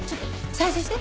再生して。